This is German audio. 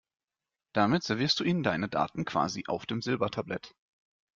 Damit servierst du ihnen deine Daten quasi auf dem Silbertablett.